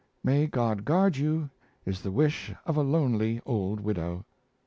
May God guard you, is the wish of a lonely old widow.